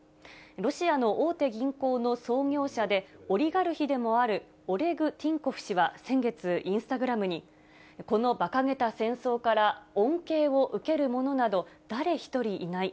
ロシアの大手銀行の創業者で、オリガルヒでもある、オレグ・ティンコフ氏は、先月、インスタグラムに、このばかげた戦争から恩恵を受ける者など誰一人いない。